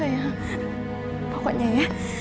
sayang pokoknya ya